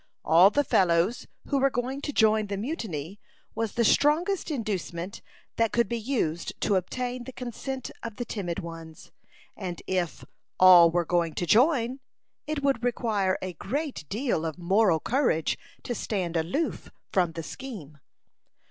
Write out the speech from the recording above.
"All the fellows were going to join the mutiny" was the strongest inducement that could be used to obtain the consent of the timid ones; and if "all were going to join," it would require a great deal of moral courage to stand aloof from the scheme.